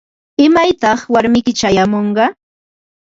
¿Imaytaq warmiyki chayamunqa?